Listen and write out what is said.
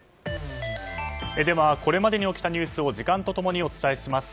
これまでに起きたニュースを時間とともにお伝えします。